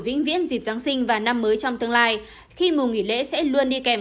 vĩnh viễn dịp giáng sinh và năm mới trong tương lai khi mùa nghỉ lễ sẽ luôn đi kèm